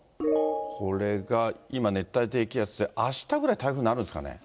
これが今、熱帯低気圧で、あしたぐらい、台風になるんですかね。